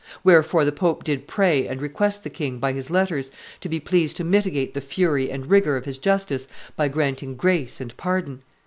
Wherefore the pope did pray and request the king, by his letters, to be pleased to mitigate the fury and rigor of his justice by granting grace and pardon.